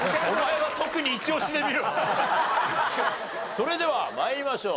それでは参りましょう。